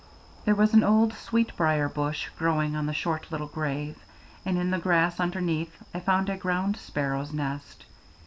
There was an old sweet brier bush growing on the short little grave, and in the grass underneath I found a ground sparrow's nest.